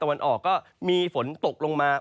ทั้งเรื่องของฝน